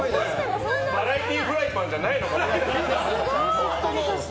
バラエティーフライパンじゃないのかよ。